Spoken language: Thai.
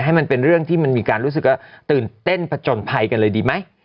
ให้มันเป็นเรื่องที่มันมีการรู้สึกว่าตื่นเต้นผจญภัยกันเลยดีไหม